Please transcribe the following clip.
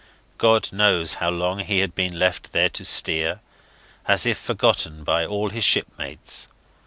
God knows how long he had been left there to steer, as if forgotten by all his shipmates.